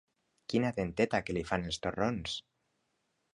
Quina denteta que li fan els torrons!